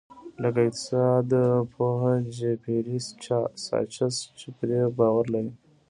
لکه اقتصاد پوه جیفري ساچس چې پرې باور لري.